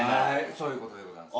そういう事でございます。